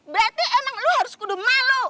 berarti emang lo harus kudu malu